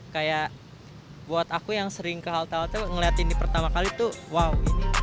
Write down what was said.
kayak buat aku yang sering ke halte halte ngeliat ini pertama kali tuh wow ini